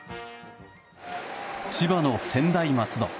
千葉の専大松戸。